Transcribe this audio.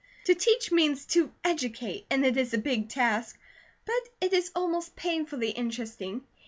To teach means to educate, and it is a big task; but it is almost painfully interesting.